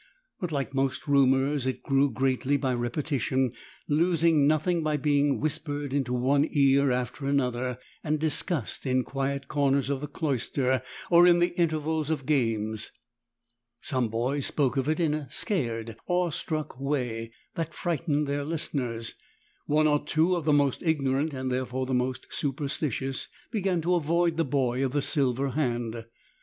But like most rumours it grew greatly by repetition, losing nothing by being whispered into one ear after another, and discussed in quiet corners of the cloister or in the intervals of games. Some boys spoke of it in a scared, awe struck way that frightened their listeners, and forced them to regard Melor in an entirely new light. One or two of the most ignorant, and therefore the most superstitious, began to avoid the boy of the silver hand.